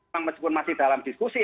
memang masih dalam diskusi